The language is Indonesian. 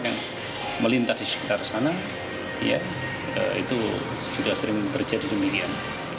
yang melintas di sekitar sana itu sudah sering terjadi demikian